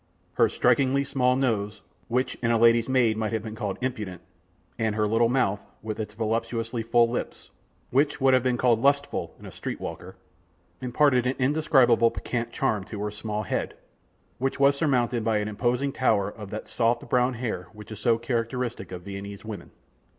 Her strikingly small nose, which in a lady's maid might have been called impudent, and her little mouth with its voluptuously full lips, which would have been called lustful in a street walker, imparted an indescribable piquant charm to her small head, which was surmounted by an imposing tower of that soft brown hair which is so characteristic of Viennese women.